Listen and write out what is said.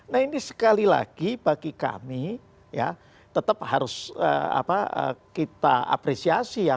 nah ini sekali lagi bagi kami ya tetap harus kita apresiasi ya